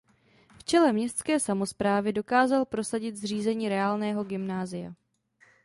V čele městské samosprávy dokázal prosadit zřízení reálného gymnázia.